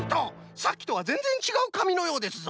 さっきとはぜんぜんちがうかみのようですぞ。